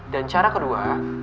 dan cara kedua